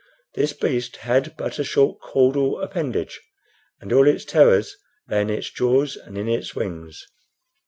This beast had but a short caudal appendage, and all its terrors lay in its jaws and in its wings.